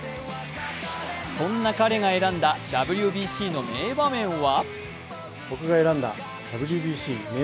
そんな彼が選んだＷＢＣの名場面は？